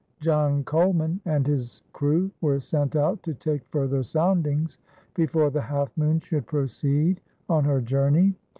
John Colman and a boat's crew were sent out to take further soundings before the Half Moon should proceed on her journey.